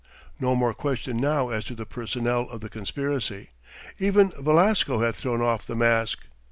No more question now as to the personnel of the conspiracy; even Velasco had thrown off the mask.